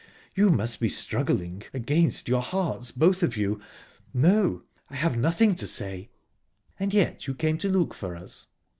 You must be struggling against your hearts, both of you...No, I have nothing to say." "And yet you came to look for us?"